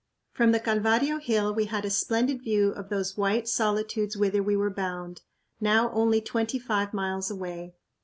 From the Calvario hill we had a splendid view of those white solitudes whither we were bound, now only twenty five miles away.